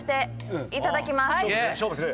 勝負する？